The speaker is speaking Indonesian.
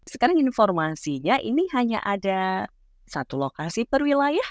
sekarang informasinya ini hanya ada satu lokasi perwilayah